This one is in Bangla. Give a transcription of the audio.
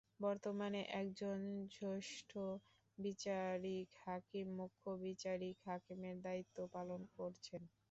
বর্তমানে একজন জ্যেষ্ঠ বিচারিক হাকিম মুখ্য বিচারিক হাকিমের দায়িত্ব পালন করছেন।